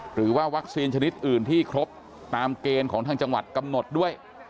หรือว่าวัคซีนชนิดอื่นที่ครบตามเกณฑ์ของทางจังหวัดกำหนดด้วย